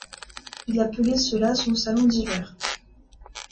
Il appelait cela son salon d'hiver.